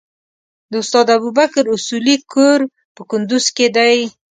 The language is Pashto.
د استاد ابوبکر اصولي کور په کندوز کې دی.